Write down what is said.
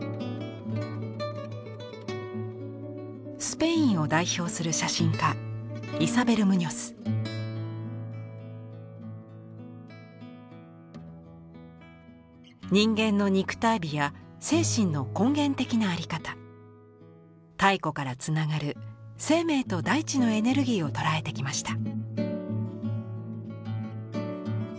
スペインを代表する写真家人間の肉体美や精神の根源的なあり方太古からつながる生命と大地のエネルギーを捉えてきました。